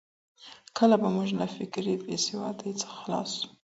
کله به موږ له فکري بېسوادۍ څخه خلاص سو؟